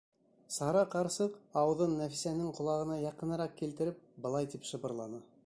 Сара ҡарсыҡ, ауыҙын Нәфисәнең ҡолағына яҡыныраҡ килтереп, былай тип шыбырланы: